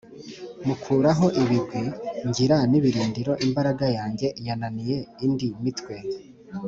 Mukuraho ibigwi ngira n’ibirindiro imbaraga yanjye yananiye indi mitwe.